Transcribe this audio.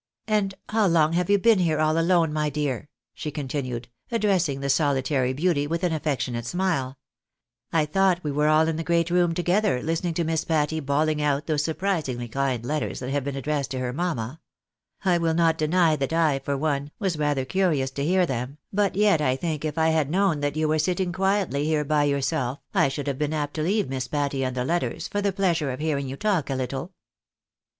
" And how long have you been here, all alone, my dear ?" she continued, addressing the solitary beauty with an affectionate smile. "I thought we were all in the great room together, listening to Miss 160 THE BARNAIiYS i^N aiujlkh^a. Pa| ty bawling out those surprisingly kind letters that have been addressed to her mamma. I will not deny that I, for one, was rather curious to hear them, but yet I think if I had known that you were sitting quietly here by yourself, I should have been ajpt to leave Miss Patty and the letters, for the pleasure of hearing you talk a little."